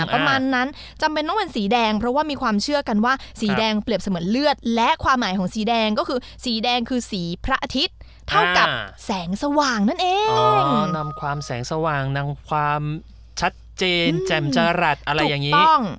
ประมาณนั้นจำเป็นต้องเป็นสีแดงเพราะว่ามีความเชื่อกันว่าสีแดงเปรียบเสมือนเลือดและความหมายของสีแดงก็คือสีแดงคือสีพระอาทิตย์เท่ากับแสงสว่างนั่นเองนำความแสงสว่างนำความชัดเจนแจ่มจรัสอะไรอย่างนี้ถูกต้อง